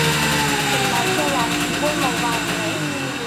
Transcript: phần nào chưa làm thì bôi màu vàng nhé